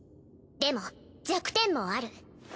でも弱点もある。